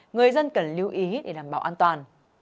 người dân cần lưu ý để đảm bảo an toàn